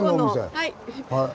はい。